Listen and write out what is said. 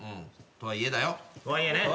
とはいえね。